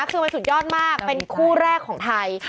คือมันสุดยอดมากเป็นคู่แรกของไทย